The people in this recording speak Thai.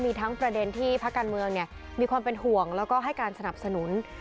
มีทั้งประเด็นที่พักการเมืองมีความเป็นห่วงแล้วก็ให้การสนับสนุน